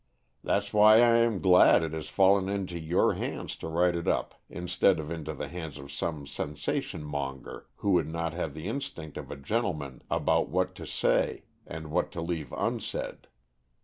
"That's why I am glad it has fallen into your hands to write it up instead of into the hands of some sensation monger who would not have the instinct of a gentleman about what to say and what to leave unsaid.